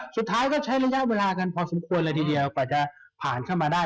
สุดท้ายก็ใช้ระยะเวลากันพอสมควรเลยทีเดียวกว่าจะผ่านเข้ามาได้